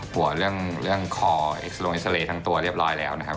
หัวเรื่องเรื่องคอทั้งตัวเรียบร้อยแล้วนะครับ